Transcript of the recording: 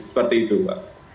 seperti itu mbak